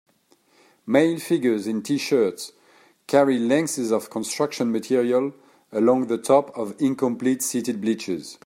Male figures in Tshirts carry lengths of construction material along the top of incomplete seated bleachers.